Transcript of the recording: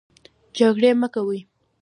جنګرې مۀ کوئ